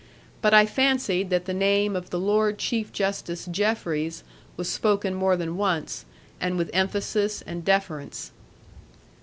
But I fancied that the name of the Lord Chief Justice Jeffreys was spoken more than once, and with emphasis and deference.